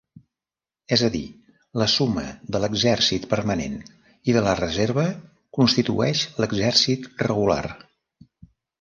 És a dir, la suma de l'exèrcit permanent i de la reserva constitueix l'exèrcit regular.